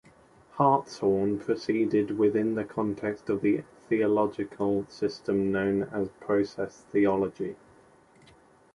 Hartshorne proceeded within the context of the theological system known as process theology.